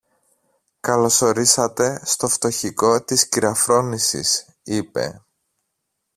Καλώς ορίσατε στο φτωχικό της κυρα-Φρόνησης, είπε.